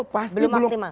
pasti belum optimal